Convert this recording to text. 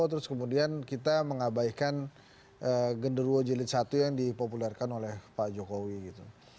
terus kemudian kita mengabaikan genruo jelit satu yang dipopularkan oleh pak jokowi gitu